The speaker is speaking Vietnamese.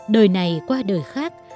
đời này qua đời khác